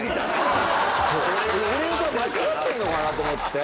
俺が間違ってるのかなと思って。